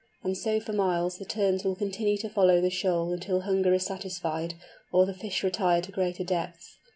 And so for miles the Terns will continue to follow the shoal until hunger is satisfied, or the fish retire to greater depths.